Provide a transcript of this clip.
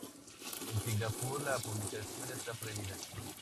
En Singapur, la publicación está prohibida.